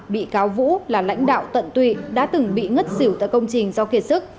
bị cáo vũ là lãnh đạo tận tụy đã từng bị ngất xỉu tại công trình do kiệt sức